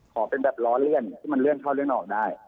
ขอเป็นแบบล้อเลี่ยนที่มันเลื่อนเข้าเลื่อนออกได้